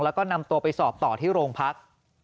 แล้วก็นำตัวไปสอบต่อที่โรงพัก